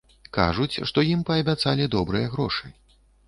Кажуць, што ім паабяцалі добрыя грошы.